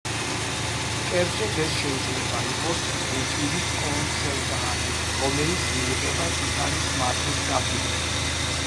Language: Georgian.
კერძოდ ეს შეიძლება იყოს რუტილის კონცენტრატი, რომელიც მიიღება ტიტანის მადნის გამდიდრებით.